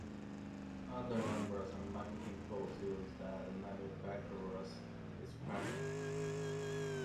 Other numbers are marketing codes used at the manufacturer's discretion.